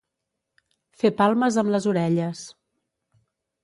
Fer palmes amb les orelles.